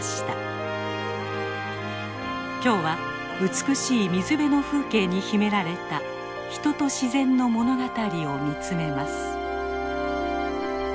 今日は美しい水辺の風景に秘められた人と自然の物語を見つめます。